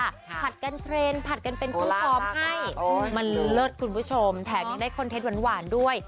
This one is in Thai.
ผัดกันเทรนด์ผัดกันเป็นคู่พร้อมให้มันเลิศคุณผู้ชมแถมยังได้คอนเทนต์หวานด้วย